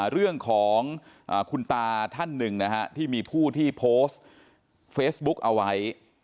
เรื่องของคุณตาท่านหนึ่งนะฮะที่มีผู้ที่โพสต์เฟซบุ๊กเอาไว้